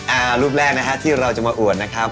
อ่ารูปแรกนะฮะที่เราจะมาอวดนะครับ